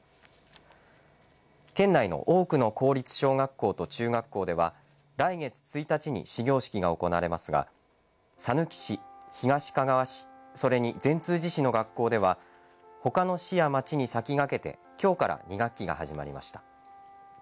県内の多くの公立小学校と中学校では来月１日に始業式が行われますがさぬき市、東かがわ市それに善通寺市の学校ではほかの市や町に先駆けてきょうから２学期が始まりました。